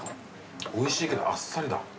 おいしいけどあっさりだ。